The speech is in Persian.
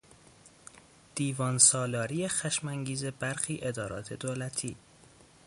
دیوان سالاری خشمانگیز برخی ادارات دولتی